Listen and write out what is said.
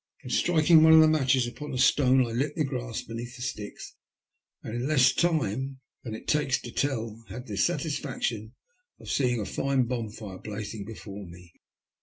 Then striking one of the matches upon a stone I lit the grass beneath the sticks, and in less time than it takes to tell had the satisfaction of seeing a fine bonfire blazing before me.